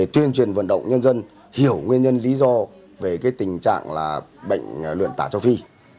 tuyên truyền vận động nhân dân hiểu nguyên nhân lý do về tình trạng bệnh luyện tả châu phi